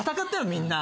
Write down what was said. みんな。